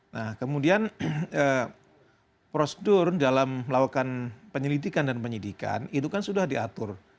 nah kemudian prosedur dalam melakukan penyelidikan dan penyidikan itu kan sudah diatur